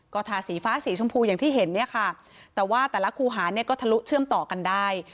ก็ฐานสีสีฟ้าสีชมพูอย่างที่เห็นแต่ว่าแต่ละคูหาก็ทะลุเชื่อมต่อกันได้